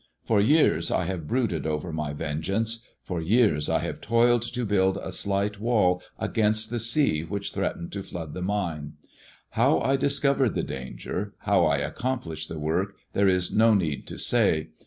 For ^ears I have brooded over my vengeance, for years I have uoiled to build a slight wall against the sea which threatened X) flood the mine. How I discovered the danger, how I iccomplished the work, there is no need to say.